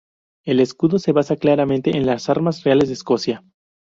El escudo se basa claramente en las armas reales de Escocia.